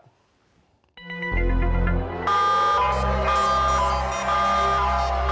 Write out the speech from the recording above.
ก็เรา